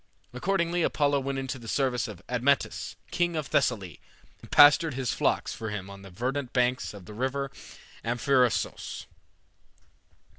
Accordingly Apollo went into the service of Admetus, king of Thessaly, and pastured his flocks for him on the verdant banks of the river Amphrysos.